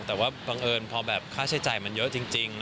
แต่พอบังเอิญค่าใช้จ่ายเยอะจริง